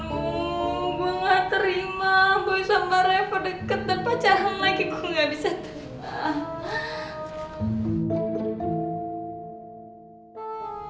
aduh gue gak terima gue sama reva deket dan pacaran lagi gue gak bisa